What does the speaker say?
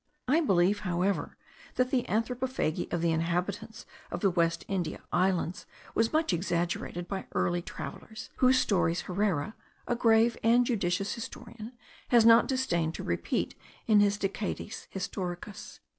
I believe, however, that the anthropophagy of the inhabitants of the West India Islands was much exaggerated by early travellers, whose stories Herrera, a grave and judicious historian, has not disdained to repeat in his Decades historicas.